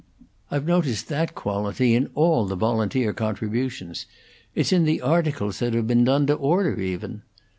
I've noticed that quality in all the volunteer contributions; it's in the articles that have been done to order even.